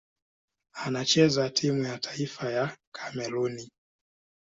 Anachezea timu ya taifa ya Kamerun.